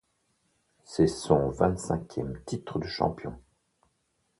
C’est son vingt-cinquième titre de champion.